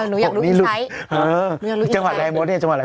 แล้วไงแล้วไงหนูอยากรู้อีกไซส์